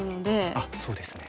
あっそうですね。